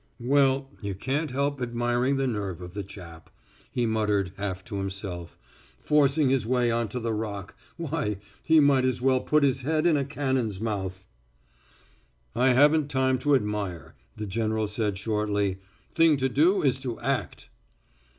"Well, you can't help admiring the nerve of the chap," he muttered, half to himself. "Forcing his way on to the Rock why, he might as well put his head in a cannon's mouth." "I haven't time to admire," the general said shortly. "Thing to do is to act."